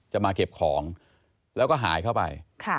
มาเก็บของแล้วก็หายเข้าไป